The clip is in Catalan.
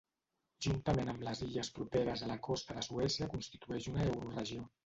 Juntament amb les illes properes a la costa de Suècia constitueix una Euroregió.